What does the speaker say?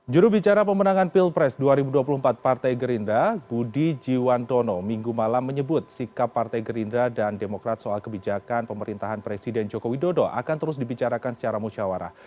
jurubicara pemenangan pilpres dua ribu dua puluh empat partai gerindra budi jiwandono minggu malam menyebut sikap partai gerindra dan demokrat soal kebijakan pemerintahan presiden joko widodo akan terus dibicarakan secara musyawarah